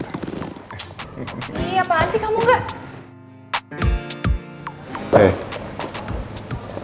ih apaan sih kamu gak